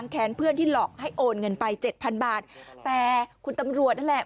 แค้นเพื่อนที่หลอกให้โอนเงินไปเจ็ดพันบาทแต่คุณตำรวจนั่นแหละ